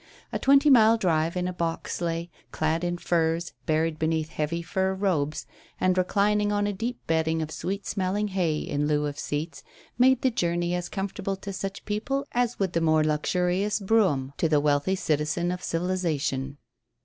A twenty mile drive in a box sleigh, clad in furs, buried beneath heavy fur robes, and reclining on a deep bedding of sweet smelling hay, in lieu of seats, made the journey as comfortable to such people as would the more luxurious brougham to the wealthy citizen of civilization.